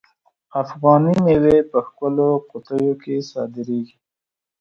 افغاني میوې په ښکلو قطیو کې صادریږي.